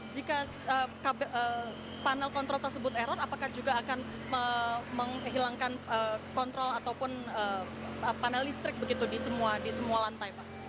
jika panel kontrol tersebut error apakah juga akan menghilangkan kontrol ataupun panel listrik begitu di semua lantai pak